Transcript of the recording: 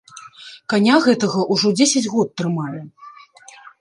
Каня гэтага ўжо дзесяць год трымаю.